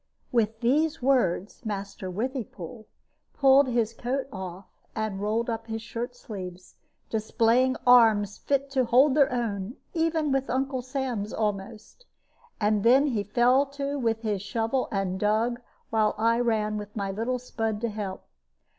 With these words Master Withypool pulled his coat off and rolled up his shirt sleeves, displaying arms fit to hold their own even with Uncle Sam's almost; and then he fell to with his shovel and dug, while I ran with my little spud to help.